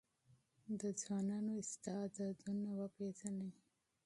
د ځوانانو استعدادونه وپېژنئ.